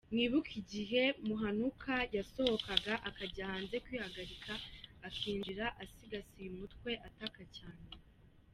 Mwibuke igihe Muhanuka yasohokaga akajya hanze kwihagarika, akinjira asigasiye umutwe, ataka cyane.